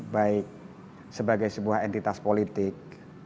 jadi sebagai sebuah entitas politik